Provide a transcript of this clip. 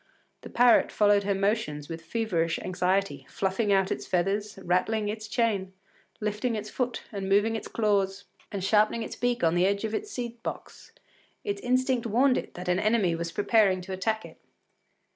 The parrot followed her movements with feverish anxiety, fluffing out its feathers, rattling its chain, lifting its foot, and moving its claws, and sharpening its beak upon the edge of its seed box. Its instinct warned it that an enemy was preparing to attack it.